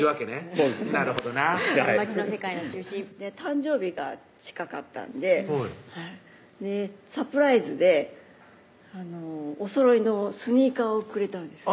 そうですなるほどなはい誕生日が近かったんでサプライズでおそろいのスニーカーをくれたんです